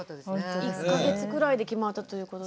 １か月ぐらいで決まったということで。